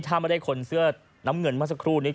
ถ้าไม่ได้คนเสื้อน้ำเงินเมื่อสักครู่นี้